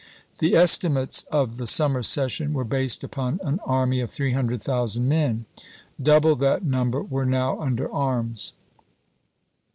The estimates of the summer session were based upon an army of 300,000 men ; double that number were now under arms.